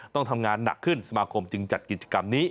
ต้องทำงานหนักขึ้นสมาคมจึงจัดกิจกรรมนี้